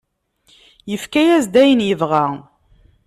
Yefka-as-d ayen yebɣa.